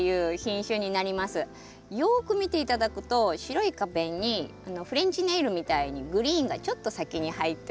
よく見て頂くと白い花弁にフレンチネイルみたいにグリーンがちょっと先に入ってる。